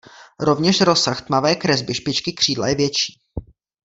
Rovněž rozsah tmavé kresby špičky křídla je větší.